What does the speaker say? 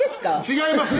違います